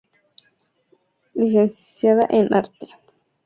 Licenciada en Arte, en mención de pintura de la Universidad de Chile.